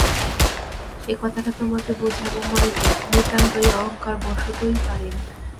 এ কথাটা তোমাকে বোঝাব মনে করি, নিতান্ত অহংকারবশতই পারিনে।